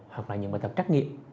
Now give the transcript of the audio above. hoặc là những bài tập trắc nghiệm